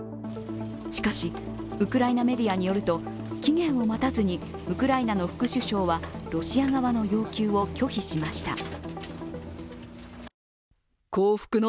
しかしウクライナメディアによると期限を待たずにウクライナの副首相はロシア側の要求を拒否しました。